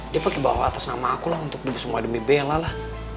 dia pake bawa atas nama aku lah untuk dibesungguh demi bella lah